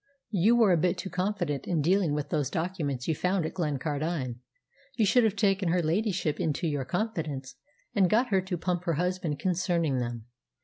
You were a bit too confident in dealing with those documents you found at Glencardine. You should have taken her ladyship into your confidence and got her to pump her husband concerning them.